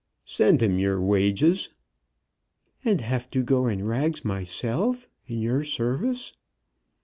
"Send him your wages." "And have to go in rags myself, in your service."